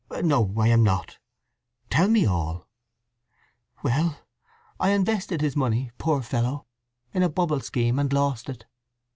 "No, I am not. Tell me all." "Well, I invested his money, poor fellow, in a bubble scheme, and lost it.